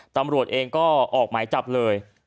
ตำรวจเองก็ออกหมายจับเลย